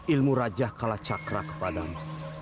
ilmu raja kalacakra kepadamu